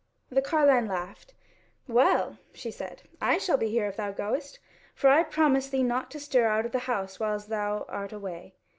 The carline laughed: "Well," she said, "I shall be here if thou goest; for I promise thee not to stir out of the house whiles thou art away."